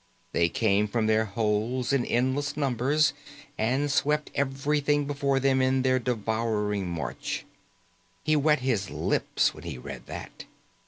They came from their holes in endless numbers and swept everything before them in their devouring march. He wet his lips when he read that.